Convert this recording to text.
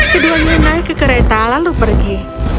keduanya naik ke kereta lalu pergi